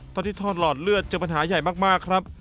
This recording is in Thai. ทอดหลอดเลือดเจอปัญหาใหญ่มากครับ